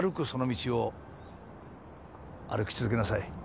その道を歩き続けなさい。